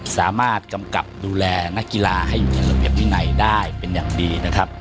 สามารถกำกับดูแลนักกีฬาให้อยู่ในระเบียบวินัยได้เป็นอย่างดีนะครับ